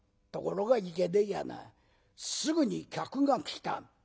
ところがいけねえやなすぐに客が来た。